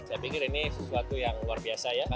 saya pikir ini sesuatu yang luar biasa ya